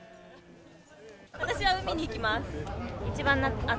私は海に行きます。